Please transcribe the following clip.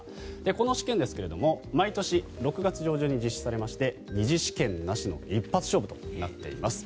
この試験ですが毎年６月上旬に実施されまして２次試験なしの一発勝負となっております。